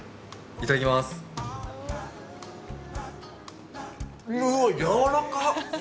いただきまーす。